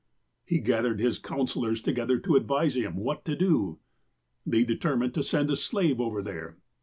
" He gathered his counsellors together to advise him what to do. They determined to send a slave over there.